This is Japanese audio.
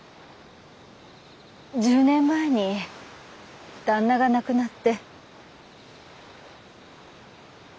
１０年前に旦那が亡くなって。